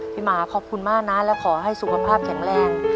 หมาขอบคุณมากนะและขอให้สุขภาพแข็งแรง